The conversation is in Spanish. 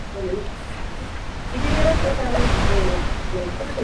Vive en el barrio de Saavedra.